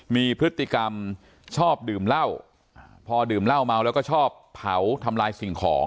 มีพฤติกรรมชอบดื่มเหล้าพอดื่มเหล้าเมาแล้วก็ชอบเผาทำลายสิ่งของ